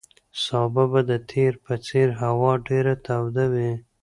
سبا به د تېر په څېر هوا ډېره توده وي.